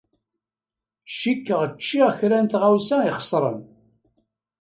Cikkeɣ ččiɣ kra n tɣawsa ixeṣren.